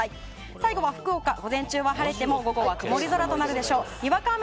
最後は福岡、午前中は晴れても午後は曇るでしょう。